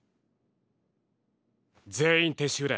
全員撤収だ